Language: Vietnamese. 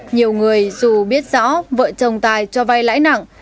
nhiều người dù biết rõ vợ chồng tài cho vay lãi nặng